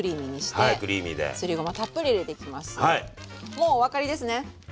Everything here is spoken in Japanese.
もうお分かりですね？